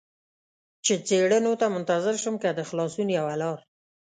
چې څېړنو ته منتظر شم، که د خلاصون یوه لار.